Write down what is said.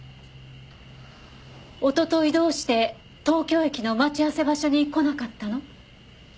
おとといどうして東京駅の待ち合わせ場所に来なかったの？